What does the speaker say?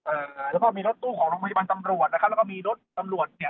อ่าแล้วก็มีรถตู้ของโรงพยาบาลตำรวจนะครับแล้วก็มีรถตำรวจเนี่ย